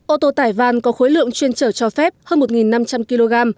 ô tô tải van có khối lượng chuyên trở cho phép hơn một năm trăm linh kg